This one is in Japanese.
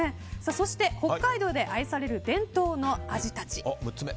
そして北海道で愛される伝統の味たち。